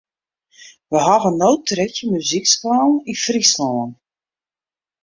We hawwe no trettjin muzykskoallen yn Fryslân.